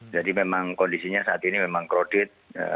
jadi memang kondisinya saat ini memang kredit